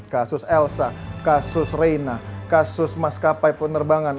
kasus elsa kasus reina kasus mas kapai penerbangan